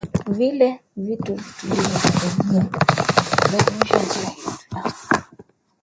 vile tu tulivyojaribu kulazimisha njia yetu ya